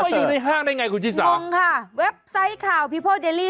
ไม่อยู่ในห้างได้ไงคุณที่สองมึงค่ะเว็บไซต์ข่าวพิโภคเดรี่